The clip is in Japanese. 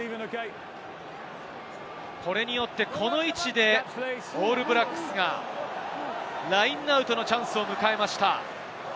これによって、この位置でオールブラックスがラインアウトのチャンスを迎えました。